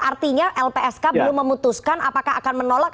artinya lpsk belum memutuskan apakah akan menolak